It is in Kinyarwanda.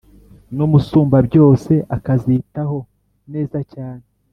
n’Umusumbabyose akazitaho neza cyane